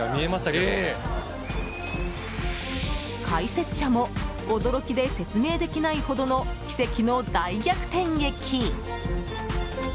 解説者も驚きで説明できないほどの奇跡の大逆転劇。